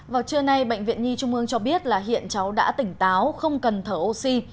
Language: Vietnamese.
vào trưa nay bệnh viện nhi trung ương cho biết là hiện cháu đã tỉnh táo không cần thở oxy